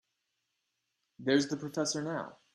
There's the professor now.